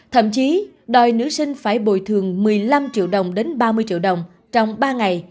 thậm chí đòi nữ sinh phải bồi thường một mươi năm triệu đồng đến ba mươi triệu đồng trong ba ngày